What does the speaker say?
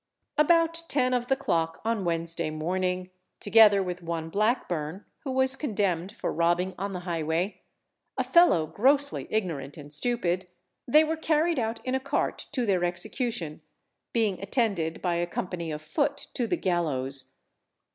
About ten of the clock, on Wednesday morning, together with one Blackburn, who was condemned for robbing on the highway, a fellow grossly ignorant and stupid, they were carried out in a cart to their execution, being attended by a company of foot to the gallows.